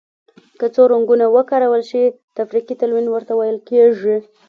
که څو رنګونه وکارول شي تفریقي تلوین ورته ویل کیږي.